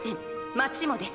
街もです。